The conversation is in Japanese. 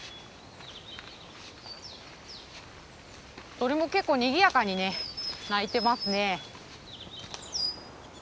鳥も結構にぎやかに鳴いてますね。